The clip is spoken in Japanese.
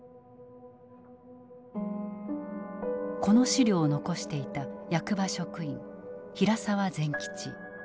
この資料を残していた役場職員平澤善吉。